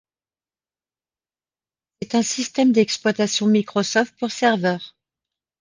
C’est un système d'exploitation Microsoft pour serveur.